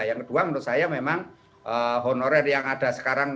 yang kedua menurut saya memang honorer yang ada sekarang